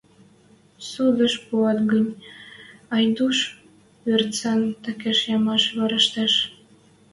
Судыш пуат гӹнь, Айдуш верцӹн такеш ямаш вӓрештеш.